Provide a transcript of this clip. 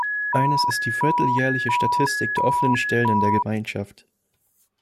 Eines ist die vierteljährliche Statistik der offenen Stellen in der Gemeinschaft.